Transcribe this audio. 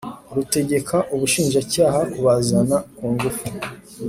rutegeka Ubushinjacyaha kubazana ku ngufu